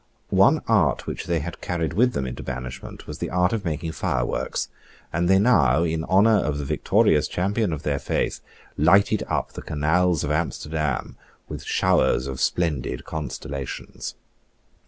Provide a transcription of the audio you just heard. One art which they had carried with them into banishment was the art of making fireworks; and they now, in honour of the victorious champion of their faith, lighted up the canals of Amsterdam with showers of splendid constellations.